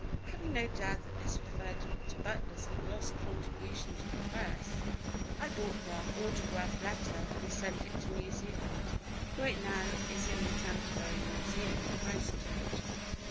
Having no doubt that this referred to Butler's lost contribution to the Press, I bought the autograph letter and sent it to New Zealand, where it now is in the Canterbury Museum, Christchurch.